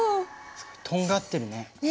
とんがってるね。ね。